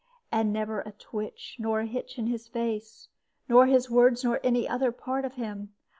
And never a twitch, nor a hitch in his face, nor his words, nor any other part of him.